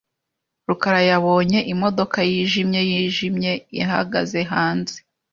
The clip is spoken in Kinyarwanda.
rukara yabonye imodoka yijimye yijimye ihagaze hanze .